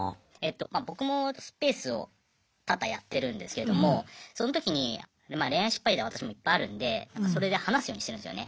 まあ僕もスペースを多々やってるんですけれどもその時にまあ恋愛失敗談私もいっぱいあるんでそれで話すようにしてるんですよね。